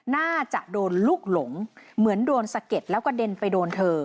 น่าจะโดนลูกหลงเหมือนโดนสะเก็ดแล้วกระเด็นไปโดนเธอ